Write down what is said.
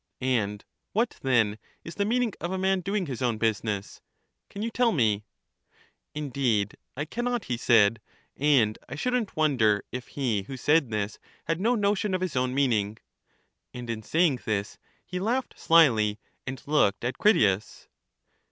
And what, then, is the meaning of a man doing his own business? Can you tell me? Indeed, I can not, he said ; and I shouldn't wonder if he who said this had no notion of his own meaning. And in saying this he laughed slyly, and looked at Critias.